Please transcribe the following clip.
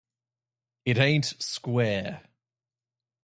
It Ain't Square.